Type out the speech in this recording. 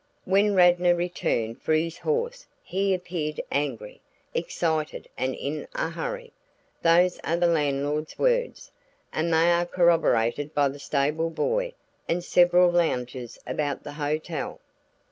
When Radnor returned for his horse he appeared angry, excited and in a hurry. Those are the landlord's words, and they are corroborated by the stable boy and several loungers about the hotel.